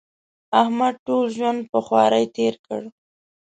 احمد ټول ژوند په خواري تېر کړ.